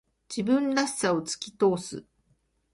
自分らしさを突き通す。